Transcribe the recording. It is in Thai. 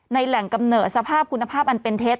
แหล่งกำเนิดสภาพคุณภาพอันเป็นเท็จ